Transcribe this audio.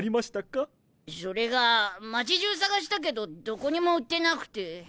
それが街じゅう探したけどどこにも売ってなくて。